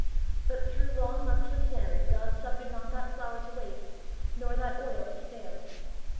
But through long months of famine God suffered not that flour to waste, nor that oil to fail.